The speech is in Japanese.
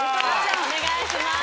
お願いします